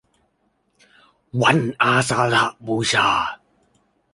วันอาสาฬหบูชา